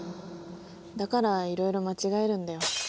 だからいろいろ間違えるんだよ。